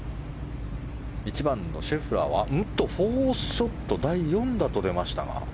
１番のシェフラーは４ショット第４打と出ましたが。